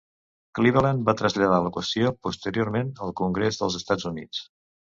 Cleveland va traslladar la qüestió posteriorment al Congrés dels Estats Units.